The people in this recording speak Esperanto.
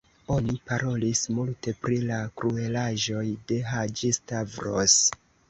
Oni parolis multe pri la kruelaĵoj de Haĝi-Stavros.